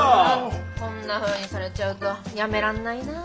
こんなふうにされちゃうとやめらんないな。